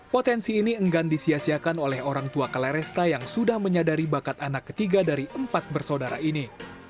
potensi ini enggan disiasiakan oleh orang tua claresta yang sudah menyadari bakat anak ketiga dari empat bersaudara ini